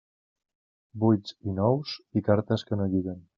Vuits i nous, i cartes que no lliguen.